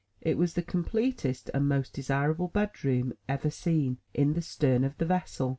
It was the completest and most desirable bedroom ever seen, in the stern of the vessel.